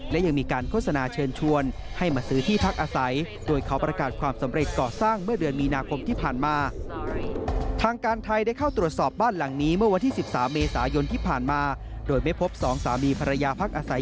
และยังมีการโฆษณาเชิญชวนให้มาซื้อที่พักอาศัย